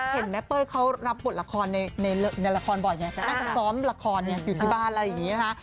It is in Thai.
เห็นแม่เป้ยเขารับบทละครในละครบ่อยไงน่าจะซ้อมละครอยู่ที่บ้านอะไรอย่างนี้นะคะ